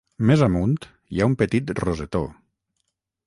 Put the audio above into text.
Més amunt hi ha un petit rosetó.